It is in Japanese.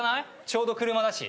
ちょうど車だし。